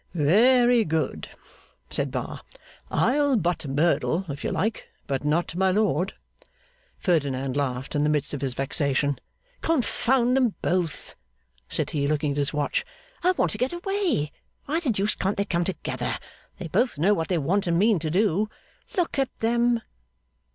'Very good,' said Bar. 'I'll butt Merdle, if you like; but not my lord.' Ferdinand laughed, in the midst of his vexation. 'Confound them both!' said he, looking at his watch. 'I want to get away. Why the deuce can't they come together! They both know what they want and mean to do. Look at them!